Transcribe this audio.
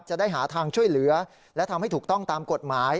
จะได้หาทางช่วยเหลือและทำให้ถูกต้องตามกฎหมาย